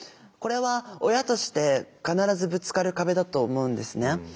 これは親として必ずぶつかる壁だと思うんですね。